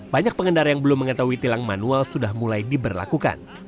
banyak pengendara yang belum mengetahui tilang manual sudah mulai diberlakukan